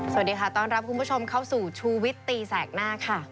สวัสดีค่ะต้อนรับคุณผู้ชมเข้าสู่ชูวิตตีแสกหน้าค่ะ